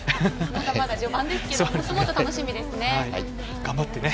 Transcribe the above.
まだまだ序盤ですが今後も楽しみですね。